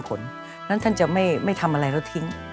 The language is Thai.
เพราะฉะนั้นท่านจะไม่ทำอะไรแล้วทิ้ง